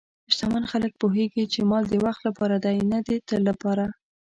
شتمن خلک پوهېږي چې مال د وخت لپاره دی، نه د تل لپاره.